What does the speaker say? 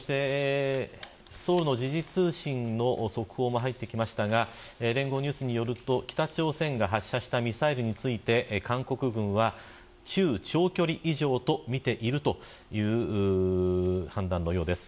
時事通信のニュースも入ってきますが聯合ニュースによると北朝鮮の放ったミサイルに対して、韓国軍は中長距離以上とみているという判断のようです。